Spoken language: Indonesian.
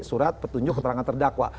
surat petunjuk keterangan terdakwa